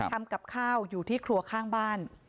ทำกับข้าวอยู่ที่ครัวข้างบ้าน